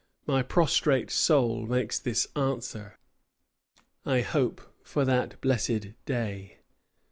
My prostrate soul makes this answer: 'I hope for that blessed day.